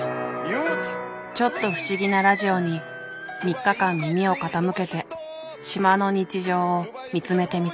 ちょっと不思議なラジオに３日間耳を傾けて島の日常を見つめてみた。